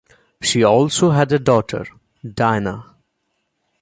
She also had a daughter, Dinah.